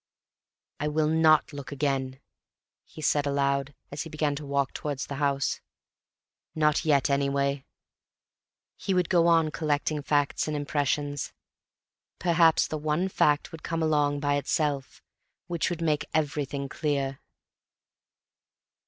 "I will not look again," he said aloud, as he began to walk towards the house. "Not yet, anyway." He would go on collecting facts and impressions. Perhaps the one fact would come along, by itself which would make everything clear.